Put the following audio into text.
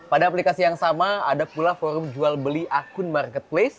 pada aplikasi yang sama ada pula forum jual beli akun marketplace